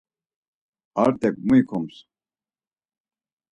Artek mu ikums?